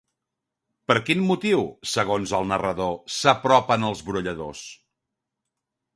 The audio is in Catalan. Per quin motiu, segons el narrador, s'apropen als brolladors?